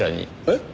えっ？